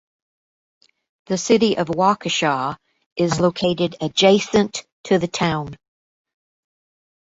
The City of Waukesha is located adjacent to the town.